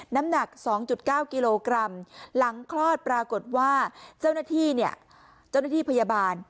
น้ำหนัก๒๙กิโลกรัมหลังคลอดปรากฏว่าเจ้าหน้าที่พยาบาล